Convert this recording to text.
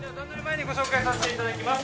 ご紹介させていただきます。